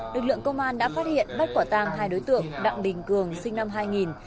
lực lượng công an đã phát hiện bắt quả tàng hai đối tượng đặng đình cường sinh năm hai nghìn